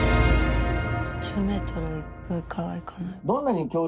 １０メートルいくかいかない。